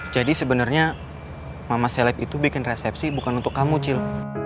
jadi sebenernya mama selek itu bikin resepsi bukan untuk kamu cil